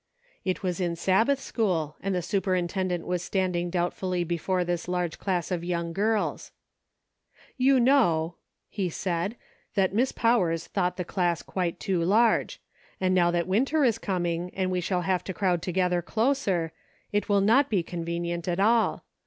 It was in Sabbath school, and the superintend ent was standing doubtfully before this large class of young girls. "You know," he said, "that Miss Powers thought the class quite too large ; and now that winter is coming, and we shall have to crowd to gether closer, it will not be convenient at all.